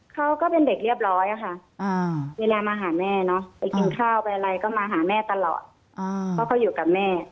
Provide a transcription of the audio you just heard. ก็เป็นเด็กเรียบร้อยค่ะเวลามาหาแม่เนาะไปกินข้าวไปอะไรก็มาหาแม่ตลอดเพราะเขาอยู่กับแม่